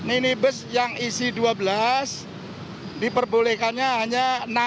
minibus yang isi dua belas diperbolehkannya hanya enam